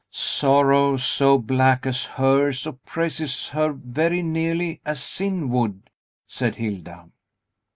"Sorrow so black as hers oppresses her very nearly as sin would," said Hilda.